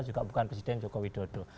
juga bukan presiden joko widodo